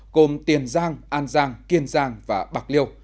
gồm tiền giang an giang kiên giang và bạc liêu